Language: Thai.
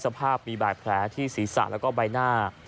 สภาพมีบาดแผลที่ศีรษะแล้วก็ใบหน้า